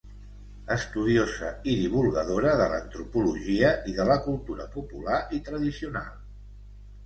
Estudiosa i divulgadora de l'antropologia i de la cultura popular i tradicional.